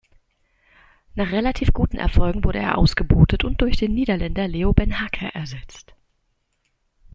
Nach relativ guten Erfolgen wurde er ausgebootet und durch den Niederländer Leo Beenhakker ersetzt.